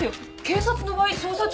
警察の場合捜査中。